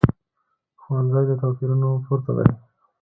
ښوونځی له توپیرونو پورته دی